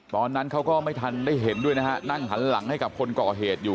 ตอนนั้นเขาก็ไม่ทันได้เห็นด้วยนะฮะนั่งหันหลังให้กับคนก่อเหตุอยู่